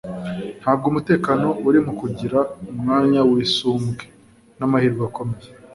ntabwo umutekano uri mu kugira umwanya w'isumbwe n'amahirwe akomeye